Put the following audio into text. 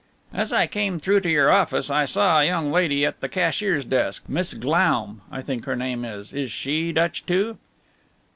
"As I came through to your office I saw a young lady at the cashier's desk Miss Glaum, I think her name is. Is she Dutch, too?"